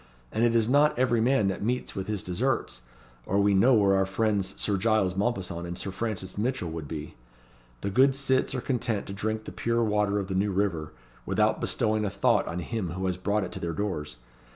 And it is not every man that meets with his desserts, or we know where our friends Sir Giles Mompesson and Sir Francis Mitchell would be. The good cits are content to drink the pure water of the New River, without bestowing a thought on him who has brought it to their doors.